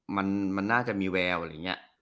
มันน่าจะมีแววอะไรอย่างนี้